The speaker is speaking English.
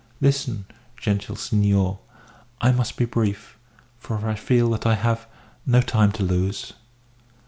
Listen, gentil senor; I must be brief, for I feel that I have no time to lose.